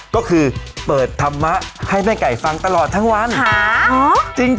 ก็คือเปิดธรรมะให้แม่ไก่ฟังตลอดทั้งวัน